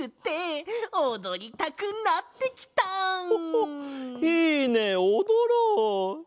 ホホッいいねおどろう！